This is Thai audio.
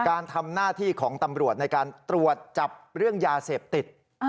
การทำหน้าที่ของตำรวจในการตรวจจับเรื่องยาเสพติด